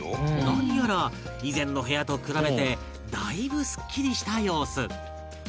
何やら以前の部屋と比べてだいぶスッキリした様子